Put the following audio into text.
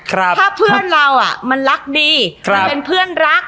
ถ้าเพื่อนเราอ่ะมันรักดีครับมันเป็นเพื่อนรัก